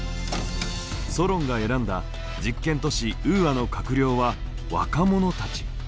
ソロンが選んだ実験都市ウーアの閣僚は若者たち。